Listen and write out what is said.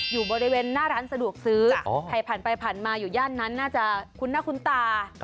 อยู่บริเวณหน้าร้านสะดวกซื้อใครผ่านไปผ่านมาอยู่ย่านนั้นน่าจะคุ้นหน้าคุ้นตา